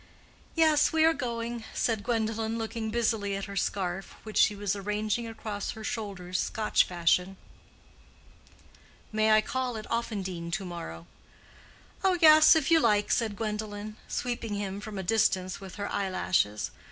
"Yes, we are going," said Gwendolen, looking busily at her scarf, which she was arranging across her shoulders Scotch fashion. "May I call at Offendene to morrow?" "Oh yes, if you like," said Gwendolen, sweeping him from a distance with her eyelashes.